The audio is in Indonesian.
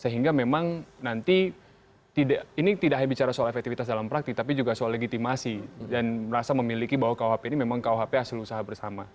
sehingga memang nanti ini tidak hanya bicara soal efektivitas dalam praktik tapi juga soal legitimasi dan merasa memiliki bahwa kuhp ini memang kuhp hasil usaha bersama